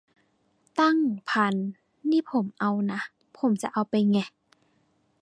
ตั้ง พัน นี่ผมเอานะ ผมจะเอาไปแงะ